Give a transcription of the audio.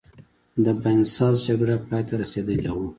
د باینسزا جګړه پایته رسېدلې وه.